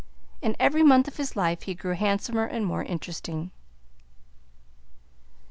And every month of his life he grew handsomer and more interesting.